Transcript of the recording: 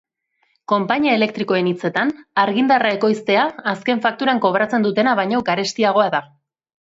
Konpainia elektrikoen hitzetan, argindarra ekoiztea azken fakturan kobratzen dutena baino garestiagoa da.